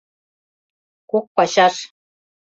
Кок пачаш...